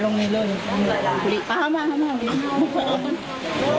ตอนนี้ก็ไม่มีเวลาให้กลับมาเที่ยวกับเวลา